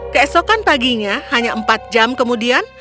keesokan paginya hanya empat jam kemudian